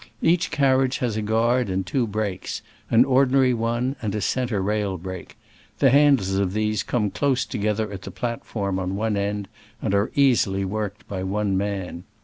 Each car riage has a guard and two brakes — an ordinary one and a centre rail brake : the handles of these come close to gether at the platform on one end, and are easily worked by one man.